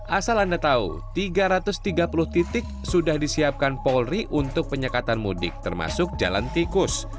asal anda tahu tiga ratus tiga puluh titik sudah disiapkan polri untuk penyekatan mudik termasuk jalan tikus